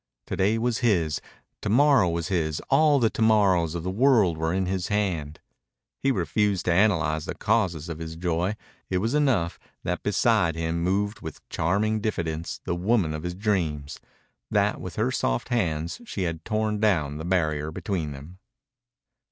To day was his. To morrow was his. All the to morrows of the world were in his hand. He refused to analyze the causes of his joy. It was enough that beside him moved with charming diffidence the woman of his dreams, that with her soft hands she had torn down the barrier between them.